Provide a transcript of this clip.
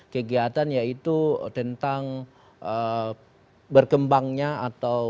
kegiatan yaitu tentang berkembangnya atau